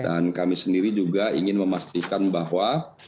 dan kami sendiri juga ingin memastikan bahwa